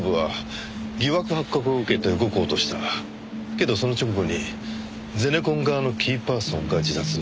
けどその直後にゼネコン側のキーパーソンが自殺。